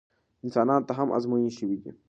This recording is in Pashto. انسانانو ته هم ازموینې شوي دي.